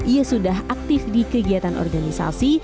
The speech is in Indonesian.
ia sudah aktif di kegiatan organisasi